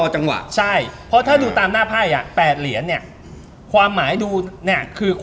แต่นวมปล่อยกันดีกว่าเว้ย